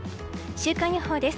週間予報です。